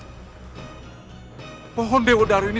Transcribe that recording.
pohon dewa daru ini sangat banyak yang ada di sana